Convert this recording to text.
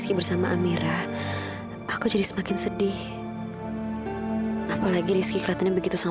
kau nyock kalau gue bisa menemukan gue